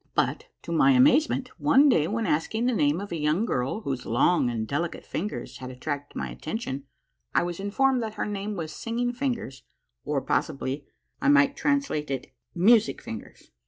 But, to my amazement, one day, when asking the name of a young girl whose long and delicate fingers had attracted my attention, 1 was informed that her name was Singing Fingers, or, possibly, I might translate it Music Fingers.